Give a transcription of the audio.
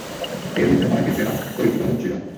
এর মধ্যে অনেকে চেনা, পরিচিত মুখ ছিল।